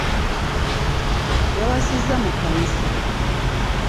Yawasiza mu Kkanisa.